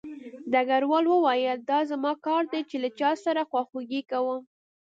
ډګروال وویل دا زما کار دی چې له چا سره خواخوږي کوم